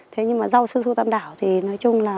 thế nhưng mà rau su su tam đảo thì nói chung là